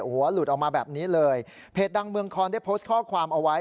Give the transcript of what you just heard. หัวหลุดออกมาแบบนี้เลยเพจดังเมืองคอนได้โพสต์ข้อความเอาไว้